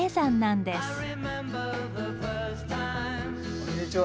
こんにちは。